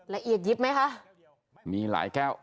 ละเอียดหยิบไหมคะ